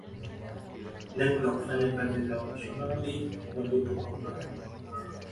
Lengo la kufanya kazi za wamisionari waliotoka Ulaya